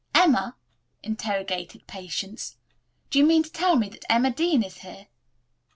"Emma?" interrogated Patience. "Do you mean to tell me that Emma Dean is here?"